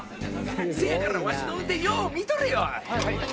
せやから、わしの運転よう見とれよ。